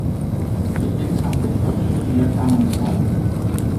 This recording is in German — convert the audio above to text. Bei ihr kam der Stopp schon in der Planungsphase.